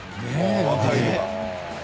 若いのが。